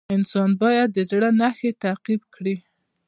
انسان باید د زړه نښې تعقیب کړي.